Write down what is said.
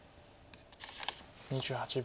２８秒。